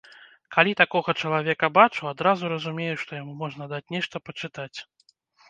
Калі такога чалавека бачу, адразу разумею, што яму можна даць нешта пачытаць.